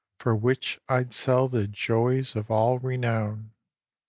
For which I'd sell the joys of all renown.